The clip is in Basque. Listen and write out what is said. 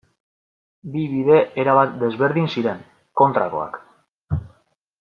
Bi bide erabat desberdin ziren, kontrakoak.